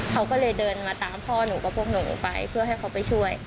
เขาก็เลยเดินมาตามพ่อหนูกับพวกหนูไปเพื่อให้เขาไปช่วย